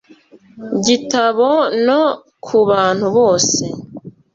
gitabo no ku bantu bose